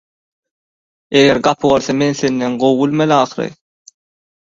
Eger gapy bolsa men senden gowy bilmeli ahyry